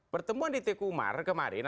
pertemuan di tkumar kemarin